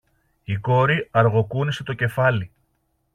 Η κόρη αργοκούνησε το κεφάλι.